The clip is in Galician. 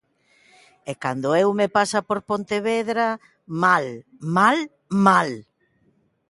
E cando o Eume pasa por Pontevedra, ¡mal, mal, mal!